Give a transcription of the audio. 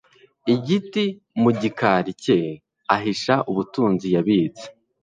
Igiti mu gikari cye ahisha ubutunzi yabitse